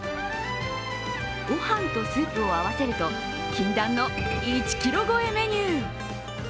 御飯とスープを合わせると禁断の１ｋｇ超えメニュー。